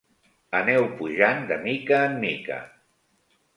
Aneu pujant de mica en mica